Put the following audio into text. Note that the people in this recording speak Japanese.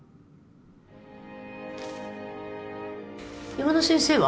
山田先生は？